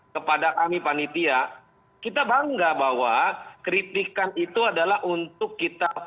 kepada kami panitia kita bangga bahwa kritikan itu adalah untuk kita